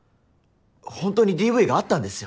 本当にＤＶがあったんですよ。